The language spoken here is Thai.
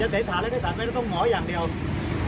จะเสร็จฐานแล้วจะเสร็จฐานไปแล้วต้องหมออย่างเดียว